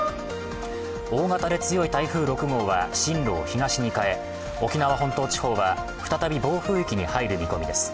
大型で強い台風６号は進路を東に変え沖縄本島地方は再び暴風域に入る見込みです。